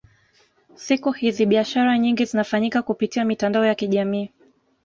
siku hizi biashara nyingi zinafanyika kupitia mitandao ya kijamii